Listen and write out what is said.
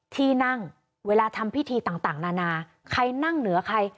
ที่นั่งเวลาทำพิธีต่างนานาใครนั่งเหนือใคร